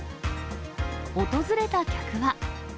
訪れた客は。